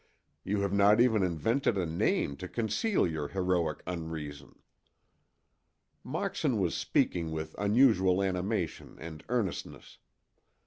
You have not even invented a name to conceal your heroic unreason." Moxon was speaking with unusual animation and earnestness.